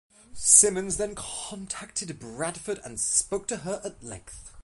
Simmons then contacted Bradford and spoke to her at length.